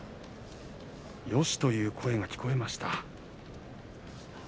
よし！という声が聞こえました。